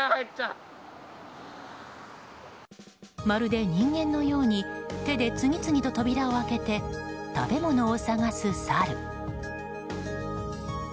まるで人間のように手で次々と扉を開けて食べ物を探すサル。